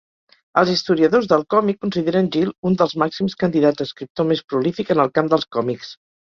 Els historiadors del còmic consideren Gill un dels màxims candidats a escriptor més prolífic en el camp dels còmics.